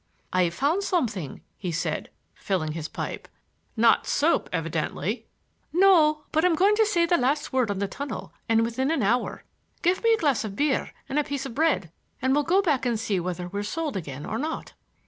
"I've found something," he said, filling his pipe. "Not soap, evidently!" "No, but I'm going to say the last word on the tunnel, and within an hour. Give me a glass of beer and a piece of bread, and we'll go back and see whether we're sold again or not."